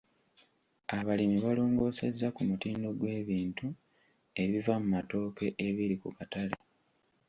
Abalimi balongoosezza ku mutindo gw'ebintu ebiva mu matooke ebiri ku katale.